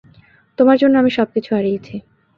তোমার জন্য আমি সবকিছু হারিয়েছি।